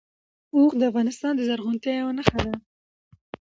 اوښ د افغانستان د زرغونتیا یوه نښه ده.